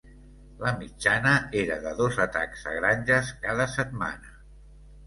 La mitjana era de dos atacs a granges cada setmana.